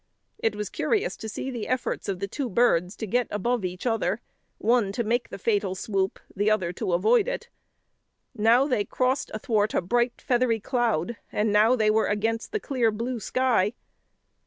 It was curious to see the efforts of the two birds to get above each other; one to make the fatal swoop, the other to avoid it. Now they crossed athwart a bright feathery cloud, and now they were against the clear blue sky.